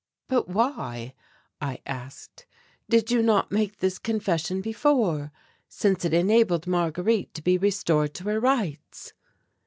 "But why," I asked, "did you not make this confession before, since it enabled Marguerite to be restored to her rights?"